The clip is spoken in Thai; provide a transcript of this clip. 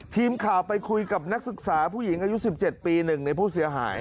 ทีมข่าวไปคุยกับนักศึกษาผู้หญิงอายุ๑๗ปี๑ในผู้เสียหาย